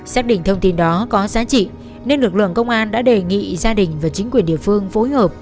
xác định thông tin đó có giá trị nên lực lượng công an đã đề nghị gia đình và chính quyền địa phương phối hợp